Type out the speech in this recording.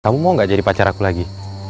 kamu mau gak jadi pacar aku lagi